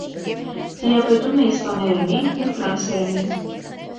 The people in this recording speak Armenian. Տիրապետում է իսպաներենին ու ֆրանսերենին։